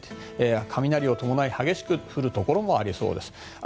雷を伴い激しく降るところもありそうです。